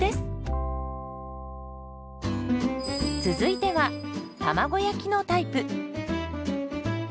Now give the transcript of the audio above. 続いては卵焼きのタイプ。